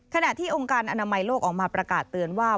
ขณะที่องค์การอนามัยโลกออกมาประกาศเตือนว่า